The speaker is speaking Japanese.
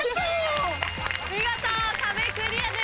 見事壁クリアです。